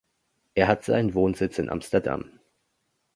Er hat seinen Wohnsitz in Amsterdam.